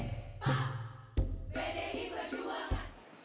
bung karno bdi perjuangan